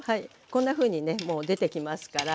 こんなふうにねもう出てきますから。